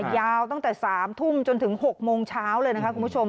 ยาวตั้งแต่๓ทุ่มจนถึง๖โมงเช้าเลยนะคะคุณผู้ชม